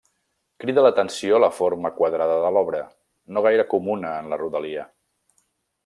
Crida l'atenció la forma quadrada de l'obra, no gaire comuna en la rodalia.